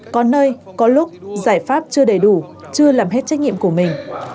có nơi có lúc giải pháp chưa đầy đủ chưa làm hết trách nhiệm của mình